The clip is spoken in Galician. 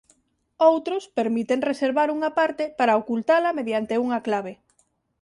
Outros permiten reservar unha parte para ocultala mediante unha clave.